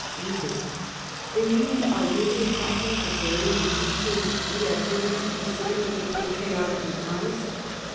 READER: Then you are really attacking the very men whom we have hitherto considered to be patriotic and honest?